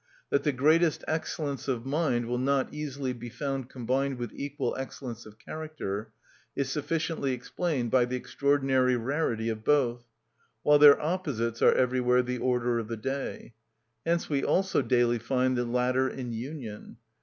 That the greatest excellence of mind will not easily be found combined with equal excellence of character is sufficiently explained by the extraordinary rarity of both, while their opposites are everywhere the order of the day; hence we also daily find the latter in union.